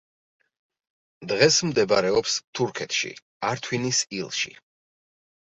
დღეს მდებარეობს თურქეთში, ართვინის ილში.